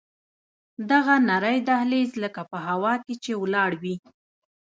دغه نرى دهلېز لکه په هوا کښې چې ولاړ وي.